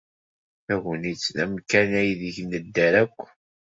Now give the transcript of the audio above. Tagnit d amkan aydeg nedder akk.